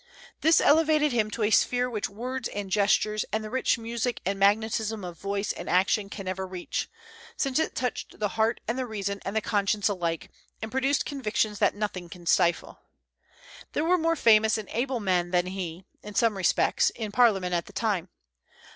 This elevated him to a sphere which words and gestures, and the rich music and magnetism of voice and action can never reach, since it touched the heart and the reason and the conscience alike, and produced convictions that nothing can stifle. There were more famous and able men than he, in some respects, in Parliament at the time.